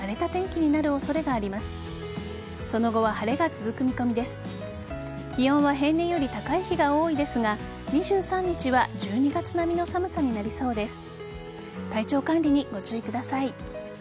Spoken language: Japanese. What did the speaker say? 気温は平年より高い日が多いですが２３日は１２月並みの寒さになりそうです。